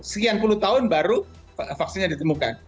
sekian puluh tahun baru vaksinnya ditemukan